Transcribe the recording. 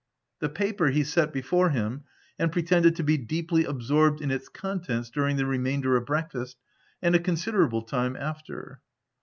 The paper, he set before him, and pretended to be deeply absorbed in its contents during the remainder of breakfast, and a considerable time after.